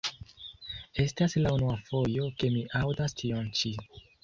Estas la unua fojo ke mi aŭdas tion ĉi.